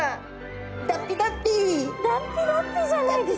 脱皮だっぴじゃないですか。